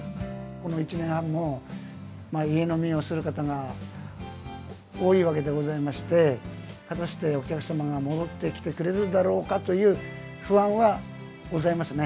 この１年半も、家飲みをする方が多いわけでございまして、果たしてお客様が戻ってきてくれるんだろうかという不安はございますね。